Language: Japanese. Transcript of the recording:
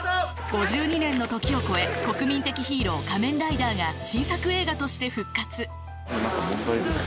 ５２年の時を超え国民的ヒーロー、仮面ライダーが新作映画として復活。